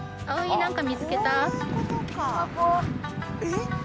えっ？